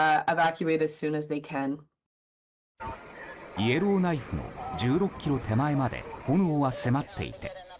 イエローナイフの１６ｋｍ手前まで炎は迫っていて